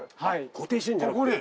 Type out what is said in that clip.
固定してんじゃなくて？